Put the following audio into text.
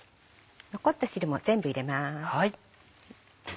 残った汁も全部入れます。